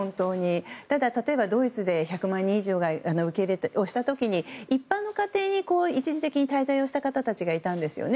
ただ、例えばドイツで１００万人以上受け入れをした時に一般の家庭に一時的に滞在をした人たちがいたんですね。